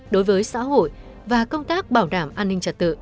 đối với xã hội và công tác bảo đảm an ninh trật tự